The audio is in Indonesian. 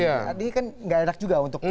ini kan tidak enak juga untuk